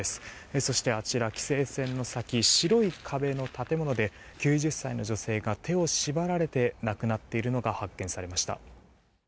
そして規制線の先白い壁の建物で９０歳の女性が手を縛られて亡くなっているのが発見されました。